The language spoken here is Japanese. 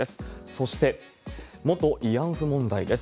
そして、元慰安婦問題です。